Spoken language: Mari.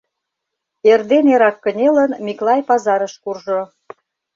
Эрден эрак кынелын, Миклай пазарыш куржо.